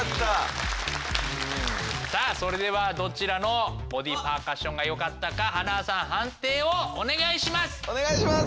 さあそれではどちらのボディパーカッションがよかったか塙さん判定をお願いします！